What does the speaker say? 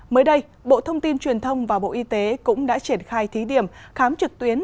mới đây bộ thông tin truyền thông và bộ y tế cũng đã triển khai thí điểm khám trực tuyến